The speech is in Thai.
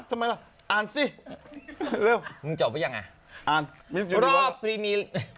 ทำไมล่ะอ่านซิ